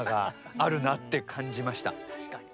確かに。